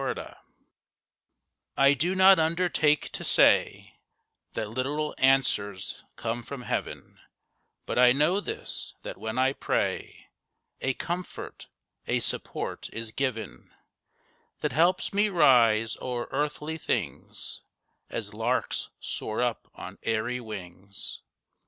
PRAYER I do not undertake to say That literal answers come from Heaven, But I know this—that when I pray A comfort, a support is given That helps me rise o'er earthly things As larks soar up on airy wings.